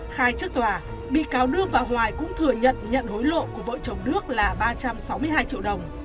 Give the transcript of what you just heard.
khai trước tòa bị cáo đương và hoài cũng thừa nhận nhận hối lộ của vợ chồng đức là ba trăm sáu mươi hai triệu đồng